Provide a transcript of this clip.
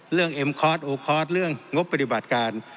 เอ็มคอร์สโอคอร์สเรื่องงบปฏิบัติการ